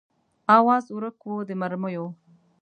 آواز ورک و د مرمیو